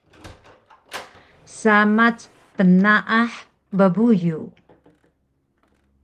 samac pnaah bbuyu